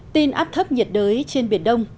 tin áp thấp nhiệt đới trên biển đông